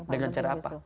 dengan cara apa